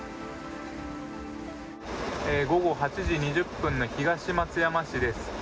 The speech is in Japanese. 午後８時２０分の東松山市です。